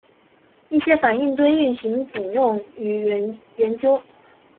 一些反应堆运行仅用于研究。